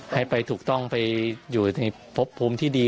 ให้ไปถูกต้องไปอยู่ในพบภูมิที่ดี